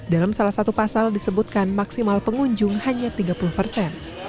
dalam salah satu pasal disebutkan maksimal pengunjung hanya tiga puluh persen